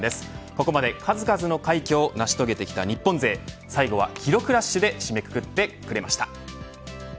ここまで、数々の快挙を成し遂げてきた日本勢最後は記録ラッシュで締めくくってくれました。